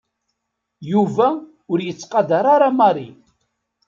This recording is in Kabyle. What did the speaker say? Yuba ur yettqadeṛ ara Mary.